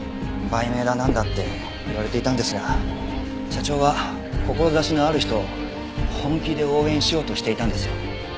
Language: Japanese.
売名だなんだって言われていたんですが社長は志のある人を本気で応援しようとしていたんですよ。